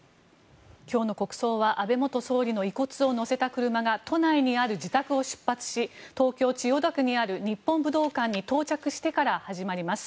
今日の国葬は安倍元総理の遺骨を乗せた車が都内にある自宅を出発し東京・千代田区にある日本武道館に到着してから始まります。